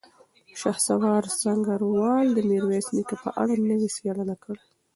شهسوار سنګروال د میرویس نیکه په اړه نوې څېړنه کړې.